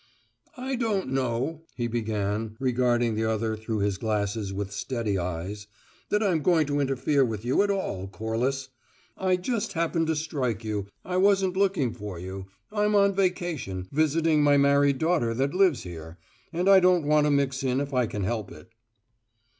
"I don't know," he began, regarding the other through his glasses, with steady eyes, "that I'm going to interfere with you at all, Corliss. I just happened to strike you I wasn't looking for you. I'm on vacation, visiting my married daughter that lives here, and I don't want to mix in if I can help it."